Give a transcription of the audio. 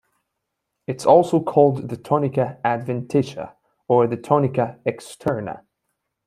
It is also called the tunica adventitia or the tunica externa.